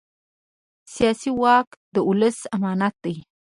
سیاسي واک د ولس امانت دی